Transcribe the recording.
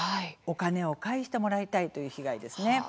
お金を返してもらいたいという被害ですね。